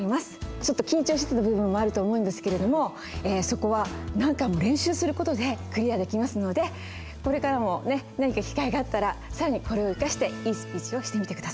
ちょっと緊張してた部分もあると思うんですけれどもそこは何回も練習する事でクリアできますのでこれからも何か機会があったら更にこれを生かしていいスピーチをしてみて下さい。